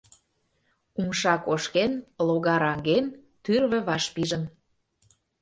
Умша кошкен, логар аҥген, тӱрвӧ ваш пижын.